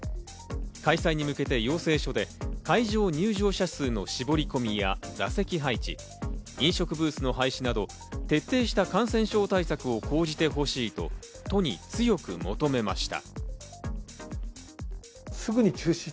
開催に向けて要請書で会場入場者数の絞り込みや座席配置、飲食ブースの廃止など、徹底した感染症対策を講じてほしいと都に強く求めました。